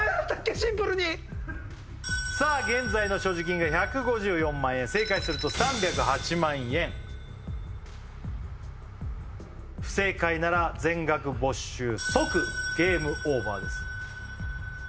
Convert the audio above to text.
シンプルにさあ現在の所持金が１５４万円正解すると３０８万円不正解なら全額没収即ゲームオーバーです